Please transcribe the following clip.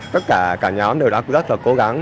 tất cả nhóm đều đã rất là cố gắng